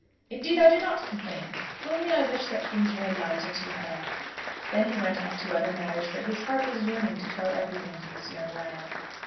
Indeed I do not complain, only I wish that things were lighter to her." Then he went off to other matters; but his heart was yearning to tell everything to this young lad.